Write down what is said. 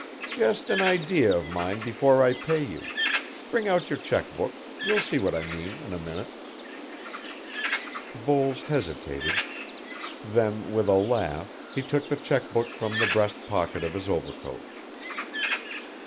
"Just an idea of mine before I pay you bring out your cheque book, you'll see what I mean in a minute." Voles hesitated, then, with a laugh, he took the cheque book from the breast pocket of his overcoat.